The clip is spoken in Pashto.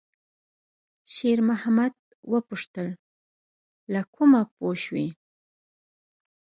شېرمحمد وپوښتل: «له کومه پوه شوې؟»